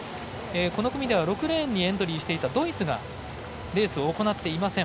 この組では６レーンにエントリーしていたドイツがレースを行っていません。